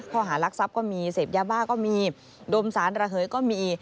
ข้อหารักษัพก็มีเสพยาบ้าก็มีดมสารระเหยก็มี